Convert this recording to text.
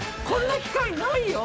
こんな機会ないよ。